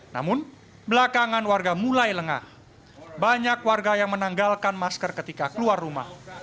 namun belakangan warga mulai lengah banyak warga yang menanggalkan masker ketika keluar rumah